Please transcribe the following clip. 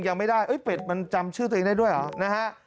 ยังไม่ได้เอ้เป็ดมันจำชื่อตัวเองได้ด้วยเหรอนะฮะ